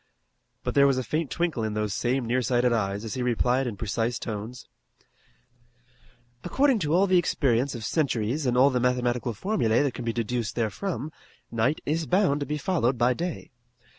But there was a faint twinkle in those same nearsighted eyes as he replied in precise tones: "According to all the experience of centuries and all the mathematical formulae that can be deduced therefrom night is bound to be followed by day.